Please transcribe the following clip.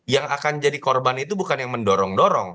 yang akan jadi korban itu bukan yang mendorong dorong